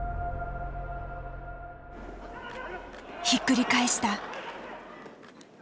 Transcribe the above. ひっくり返した。